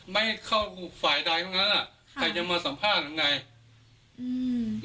ไม่เข้าฝ่ายใดทั้งนั้นอ่ะค่ะแต่จะมาสัมภาษณ์หรือไงอืม